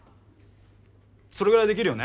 それぐらいできるよね？